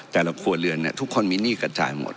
แต่ละครัวเรือนทุกคนมีหนี้กระจายหมด